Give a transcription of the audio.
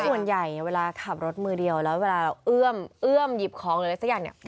ส่วนใหญ่เวลาขับรถมือเดียวแล้วเวลาเราเอื้อมเอื้อมหยิบของหรืออะไรสักอย่างเนี่ย